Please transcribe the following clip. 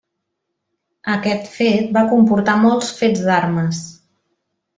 Aquest fet va comportar molts fets d'armes.